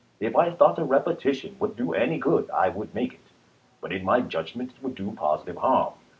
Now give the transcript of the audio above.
If I thought a repetition would do any good I would make it. But in my judgment Liucoln t0 it would do positive harm.